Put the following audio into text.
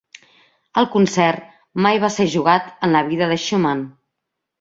El concert mai va ser jugat en la vida de Schumann.